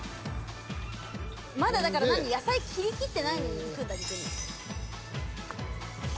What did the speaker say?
まだだから何野菜切りきってないのにいくんだ肉に。